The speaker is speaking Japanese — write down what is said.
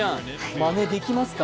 まねできますか？